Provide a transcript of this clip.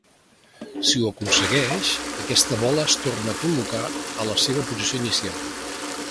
Si ho aconsegueix, aquesta bola es torna a col·locar a la seva posició inicial.